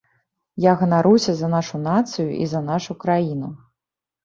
Я ганаруся за нашу нацыю і за нашу краіну.